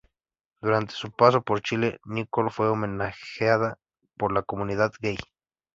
Durante su paso por Chile, Nicole fue homenajeada por la comunidad gay.